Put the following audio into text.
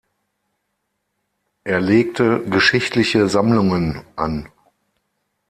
Er legte geschichtliche Sammlungen an.